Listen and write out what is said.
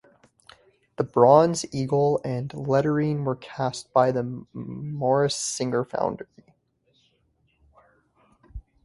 The bronze eagle and lettering were cast by the Morris Singer foundry.